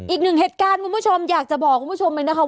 อีกหนึ่งเหตุการณ์คุณผู้ชมอยากจะบอกคุณผู้ชมเลยนะคะ